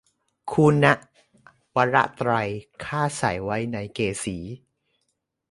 คุณะวระไตร ข้าใส่ไว้ในเกศี